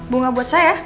bunga buat saya